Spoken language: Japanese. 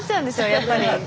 やっぱり。